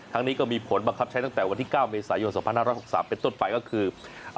นี้ก็มีผลบังคับใช้ตั้งแต่วันที่๙เมษายน๒๕๖๓เป็นต้นไปก็คือ